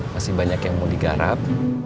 masih banyak yang mau digarap